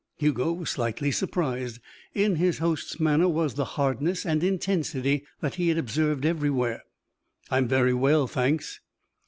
Hugo was slightly surprised. In his host's manner was the hardness and intensity that he had observed everywhere. "I'm very well, thanks."